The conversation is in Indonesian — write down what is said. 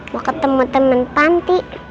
mau ketemu temen panti